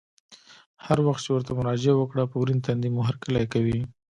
هر وخت چې ورته مراجعه وکړه په ورین تندي مو هرکلی کوي.